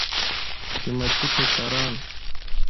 قیمتي ټوکران.